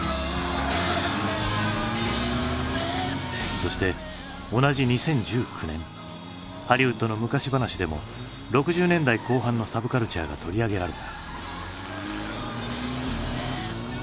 そして同じ２０１９年ハリウッドの昔話でも６０年代後半のサブカルチャーが取り上げられた。